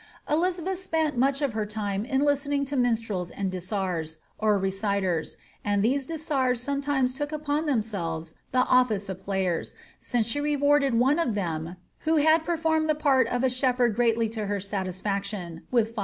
Elizabeth spent much of her time in listening to minstrels and disarsy or reciters ; iiid these disars sometimes took upon themselves the office of players, sioce she rewarded one of them, who had performed the part of a shep herd greatly to her satisfaction, with 5^.